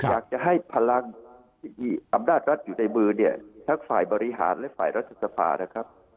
อยากจะให้พลังที่อำนาจรัฐอยู่ในมือเนี่ยทั้งฝ่ายบริหารและฝ่ายรัฐสภานะครับ